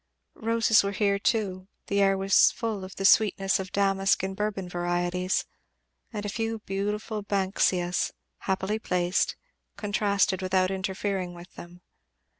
Roses were here too; the air was full of the sweetness of Damask and Bourbon varieties; and a few beautiful Banksias, happily placed, contrasted without interfering with them.